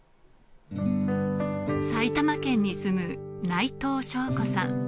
埼玉県に住む内藤省子さん。